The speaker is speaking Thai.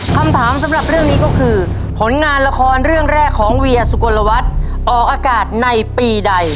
คำถามสำหรับเรื่องนี้ก็คือผลงานละครเรื่องแรกของเวียสุกลวัฒน์ออกอากาศในปีใด